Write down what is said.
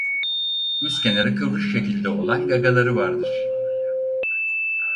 Üst kenarı kıvrık şekilde olan gagaları vardır.